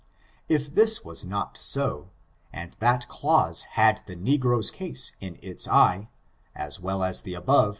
If this was not so, and that clause had the negro's case in its eye, as well as the above.